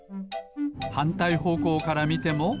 はんたいほうこうからみても。